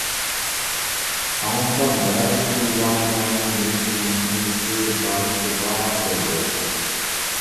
ئاڭلىسام، بەزى دىۋانىلەرنىڭ نەچچە ماشىنىسى، داچىسى بار دەيدۇ.